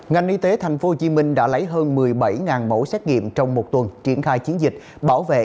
ngành y tế thành phố hồ chí minh đã lấy hơn một mươi bảy mẫu xét nghiệm trong một tuần triển khai chiến dịch bảo vệ